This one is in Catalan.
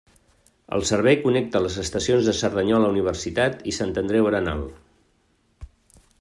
El servei connecta les estacions de Cerdanyola Universitat i Sant Andreu Arenal.